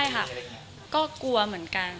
ใช่ค่ะก็กลัวเหมือนกัน